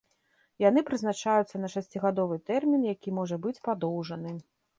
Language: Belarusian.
Яны прызначаюцца на шасцігадовы тэрмін, які можа быць падоўжаны.